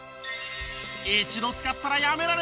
一度使ったらやめられない